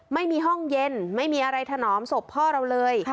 ไม่มีห้องเย็นไม่มีอะไรถนอมศพพ่อเราเลย